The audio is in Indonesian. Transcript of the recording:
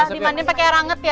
di mandi lo pakai river anget ya